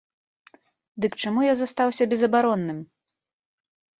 Дык чаму я застаўся безабаронным?